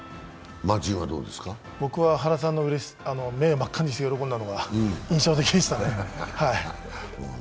僕は、原さんが目を真っ赤にして喜んだのが印象的でしたね。